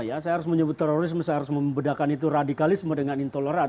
ya saya harus menyebut terorisme saya harus membedakan itu radikalisme dengan intoleran